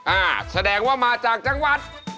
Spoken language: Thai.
อ่าแสดงว่ามาจากจังหวัด